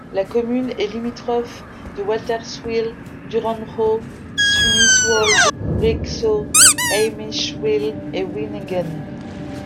La commune est limitrophe de Walterswil, Dürrenroth, Sumiswald, Rüegsau, Heimiswil et Wynigen.